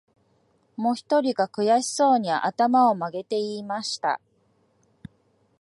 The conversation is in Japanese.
もひとりが、くやしそうに、あたまをまげて言いました